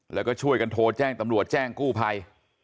แล้วก็ช่วยกันโทรแจ้งตำรวจแจ้งกู้ภัย